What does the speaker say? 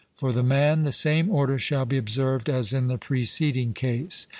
For the man the same order shall be observed as in the preceding case.